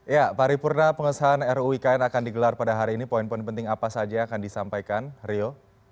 ya paripurna pengesahan ruikn akan digelar pada hari ini poin poin penting apa saja yang akan disampaikan rio